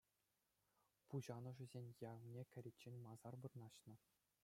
Пуҫанӑшӗсен ялне кӗриччен масар вырнаҫнӑ.